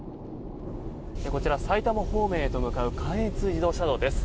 こちら埼玉方面へと向かう関越自動車道です。